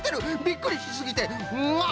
びっくりしすぎてあ